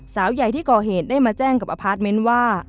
สาวใหญ่ที่ก่อเหตุได้มาแจ้งกับอพาร์ทเมนต์ว่า